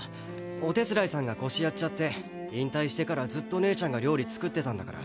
お手伝いさんが腰やっちゃって引退してからずっと姉ちゃんが料理作ってたんだから。